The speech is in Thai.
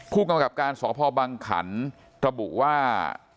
ผู้กำกับการสพบังขันระบุว่า